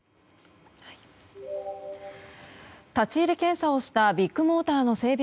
立ち入り検査をしたビッグモーターの整備